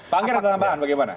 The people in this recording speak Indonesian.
pak angger ada kenapaan bagaimana